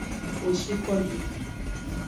Wo shi ko ju.